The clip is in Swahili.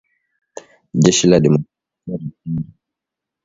Jeshi la Demokrasia ya Kongo hata hivyo linasisitiza kwamba